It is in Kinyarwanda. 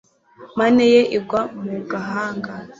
Mane ye igwa mu gahanga